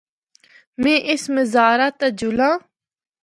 میں اس مزارا تے جُلّاں۔